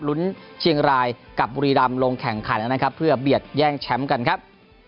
ลุ้นเชียงรายกับบุรีรำลงแข่งขันแล้วนะครับเพื่อเบียดแย่งแชมป์กันครับ